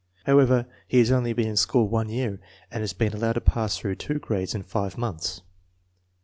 However, he has only been in school one year and has been allowed to pass through two grades in five months.